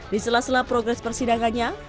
di sela sela progres persidangannya